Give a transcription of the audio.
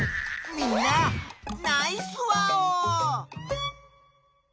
みんなナイスワオー！